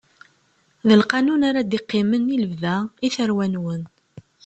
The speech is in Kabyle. D lqanun ara d-iqqimen i lebda, i tarwa-nwen.